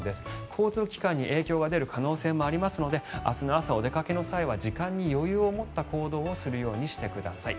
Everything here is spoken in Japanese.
交通機関に影響が出る可能性もありますので明日の朝、お出かけの際は時間に余裕の持った行動をするようにしてください。